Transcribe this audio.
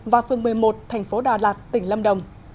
và phương một mươi một thành phố đà lạt tỉnh lâm đồng